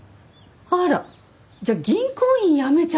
あら！じゃあ銀行員辞めちゃったの？